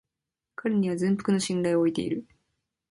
彼には全幅の信頼を置いている